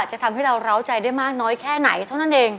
จะทำให้เราร้าวใจได้มากน้อยแค่ไหนเท่านั้นเอง